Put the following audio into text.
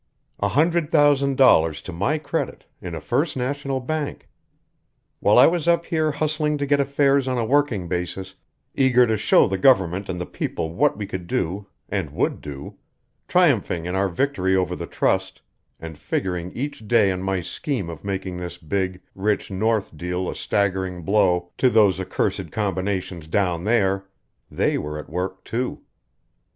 "A hundred thousand dollars to my credit in a First National Bank! While I was up here hustling to get affairs on a working basis, eager to show the government and the people what we could do and would do, triumphing in our victory over the trust, and figuring each day on my scheme of making this big, rich north deal a staggering blow to those accursed combinations down there, they were at work, too.